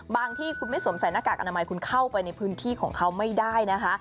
ที่คุณไม่สวมใส่หน้ากากอนามัยคุณเข้าไปในพื้นที่ของเขาไม่ได้นะคะ